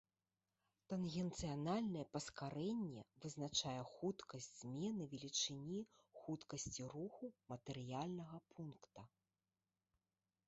Тангенцыяльнае паскарэнне вызначае хуткасць змены велічыні хуткасці руху матэрыяльнага пункта.